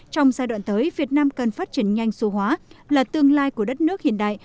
trong giai đoạn tới việt nam cần phát triển nhanh số hóa là tương lai của đất nước hiện đại